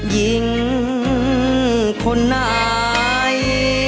ยิงคนอาย